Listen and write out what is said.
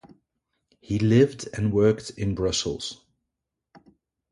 He lived and worked in Brussels.